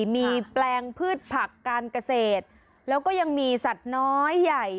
มีแปลงพืชผักการเกษตรแล้วก็ยังมีสัตว์น้อยใหญ่